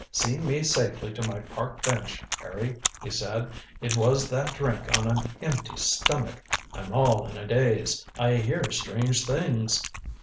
"See me safely to my park bench, Harry," he said. "It was that drink on an empty stomach. I'm all in a daze. I hear strange things."